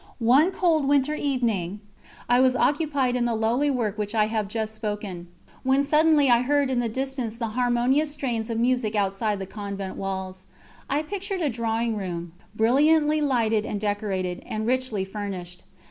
One cold winter evening, I was occupied in the lowly work of which I have just spoken, when suddenly I heard in the distance the harmonious strains of music outside the convent walls. I pictured a drawing room, brilliantly lighted and decorated, and richly furnished.